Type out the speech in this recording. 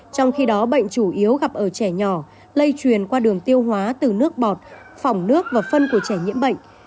trong khi đó bệnh chủ yếu gặp ở trẻ nhỏ lây truyền qua đường tiêu hóa từ nước bọt phòng nước và phân của trẻ nhiễm bệnh